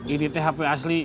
ini teh hp asli